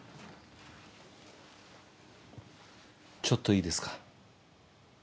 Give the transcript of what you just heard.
ちょっといいですか。